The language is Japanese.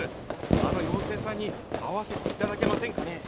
あの妖精さんに会わせて頂けませんかね？